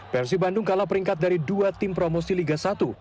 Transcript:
persib bandung kalah peringkat dari dua tim promosi liga satu